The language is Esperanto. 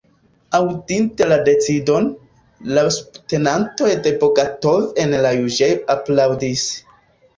Aŭdinte la decidon, la subtenantoj de Bogatov en la juĝejo aplaŭdis.